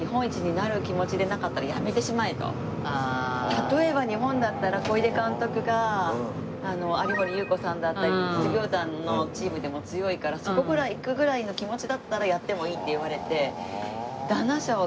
例えば日本だったら小出監督が有森裕子さんだったり実業団のチームでも強いからそこぐらい行くぐらいの気持ちだったらやってもいいって言われて。